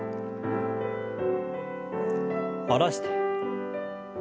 下ろして。